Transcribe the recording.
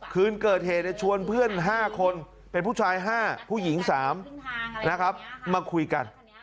คืนเกิดเหตุศึกษาชวนเพื่อนห้าคนเป็นผู้ชาย๕ผู้หญิง๓มาคุยกัน